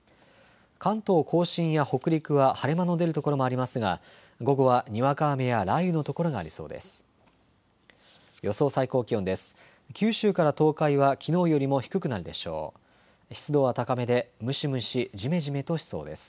関東甲信や北陸は晴れ間の出る所もありますが午後はにわか雨や雷雨の所がありそうです。